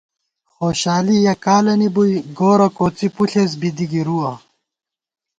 خوشالی یَہ کالَنی بُوئی گورہ کوڅی پُݪېس بی دی گِرُوَہ